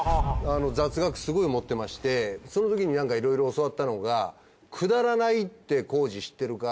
雑学すごい持ってましてそのときになんかいろいろ教わったのが「くだらないって浩司知ってるか？」。